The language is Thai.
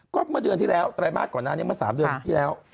ก็เมื่อเดือนที่แล้วไตรมาสก่อนหน้านี้เมื่อ๓เดือนที่แล้ว